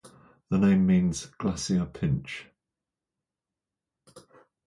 The name means "Glacier Pinch".